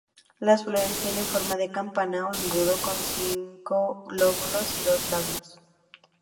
Las flores tienen forma de campana o embudo, con cinco lóbulos y dos labios.